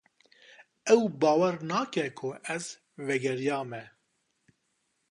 Ew bawer nake ku ez vegeriyame.